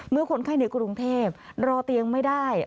คนไข้ในกรุงเทพรอเตียงไม่ได้